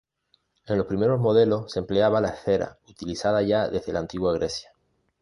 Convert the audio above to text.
En los primeros modelos se empleaba la esfera, utilizada ya desde la Antigua Grecia.